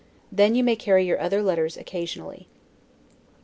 Then you may carry your other letters occasionally.